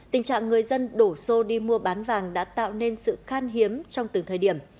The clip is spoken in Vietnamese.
tình trạng người dân đổ xô đi mua bán vàng đã tạo nên sự khan hiếm trong từng thời điểm